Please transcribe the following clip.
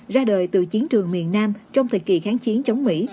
ra đời từ chiến trường miền nam trong thời kỳ kháng chiến chống mỹ